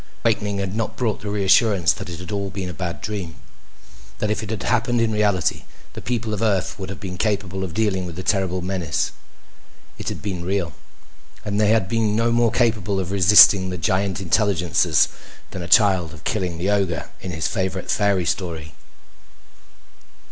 And the awakening had not brought the reassurance that it had all been a bad dream. That if it had happened in reality, the people of Earth would have been capable of dealing with the terrible menace. It had been real. And they had been no more capable of resisting the giant intelligences than a child of killing the ogre in his favorite fairy story.